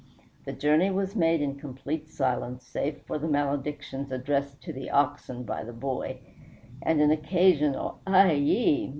The journey was made in complete silence save for the maledictions addressed to the oxen by the boy, and an occasional "Ay yi!"